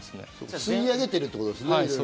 吸い上げてるってことですね。